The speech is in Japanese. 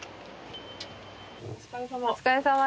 お疲れさま。